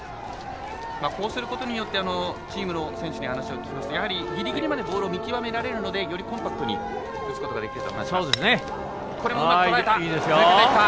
こうすることでチームの選手に話を聞くとぎりぎりまでボールを見極められるのでよりコンパクトに打つことができる。